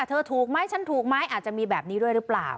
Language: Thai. ถูกไหมฉันถูกไหมอาจจะมีแบบนี้ด้วยหรือเปล่า